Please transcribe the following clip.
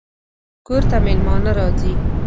کور ته مېلمانه راځي